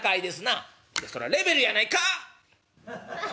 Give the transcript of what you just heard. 「いやそらレベルやないか。